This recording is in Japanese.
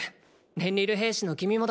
レンリル兵士の君もだ。